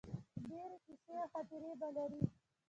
ډیرې قیصې او خاطرې به لرې